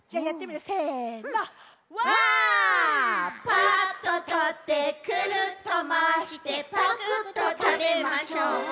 「パッととってくるっとまわしてパクっとたべましょう」